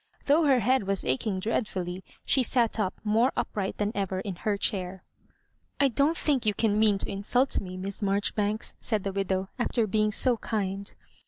Though her head was aching dreadfully, she sat up more upright than ever in her chair. " I don't think you can mean to insult me, Miss Marjoribanks," said the widow, "after being so kind.